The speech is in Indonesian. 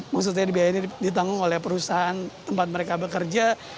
maksudnya biaya ini ditanggung oleh perusahaan tempat mereka bekerja